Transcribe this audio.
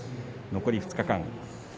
残り２日間。